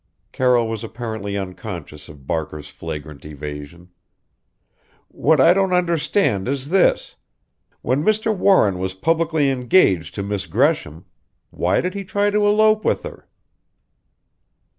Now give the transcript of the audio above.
Carroll was apparently unconscious of Barker's flagrant evasion. "What I don't understand is this when Mr. Warren was publicly engaged to Miss Gresham, why did he try to elope with her?"